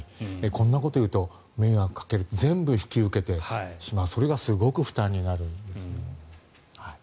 こんなことを言うと迷惑をかける全部引き受けてしまうそれがすごく負担になるんですね。